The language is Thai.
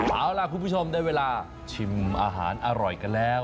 เอาล่ะคุณผู้ชมได้เวลาชิมอาหารอร่อยกันแล้ว